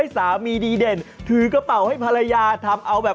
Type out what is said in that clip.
สามีดีเด่นถือกระเป๋าให้ภรรยาทำเอาแบบ